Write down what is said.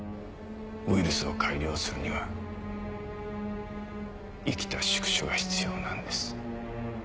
ウイルスを改良するには生きた宿主が必要なんです。